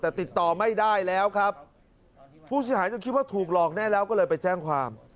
แต่ติดต่อไม่ได้แล้วครับผู้เสียหายจะคิดว่าถูกหลอกแน่แล้วก็เลยไปแจ้งความ